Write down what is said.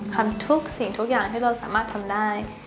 ทำทุกสิ่งทุกอย่างที่เราสามารถทำได้